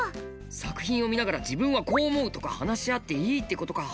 作品を見ながら「自分はこう思う」とか話し合っていいってことか。